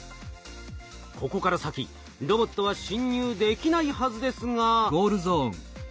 ここから先ロボットは侵入できないはずですが。